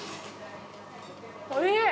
おいしい。